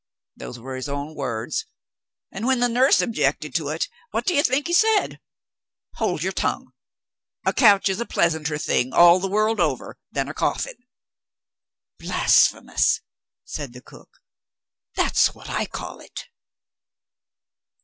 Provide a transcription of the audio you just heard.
Those were his own words; and when the nurse objected to it, what do you think he said? 'Hold your tongue! A couch is a pleasanter thing all the world over than a coffin.'" "Blasphemous!" said the cook "that's what I call it."